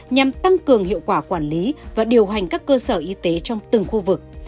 nhằm tăng cường hiệu quả quản lý và điều hành các cơ sở y tế trong từng khu vực